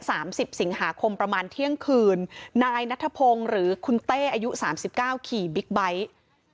สิบสิงหาคมประมาณเที่ยงคืนนายนัทพงศ์หรือคุณเต้อายุสามสิบเก้าขี่บิ๊กไบท์